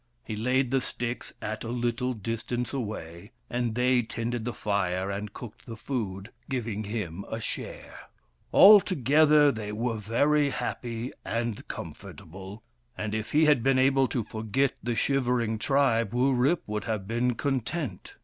He laid the sticks at a little distance away : and they tended the fire and cooked the food, giving him a share. Altogether, they were very happy and comfortable, and if he had been able to forget the shivering tribe, Wurip would have been content.